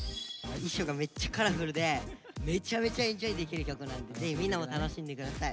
衣装がめっちゃカラフルでめちゃめちゃエンジョイできる曲なのでみんなも楽しんで下さい。